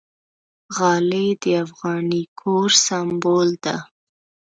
غالۍ د افغاني کور سِمبول ده.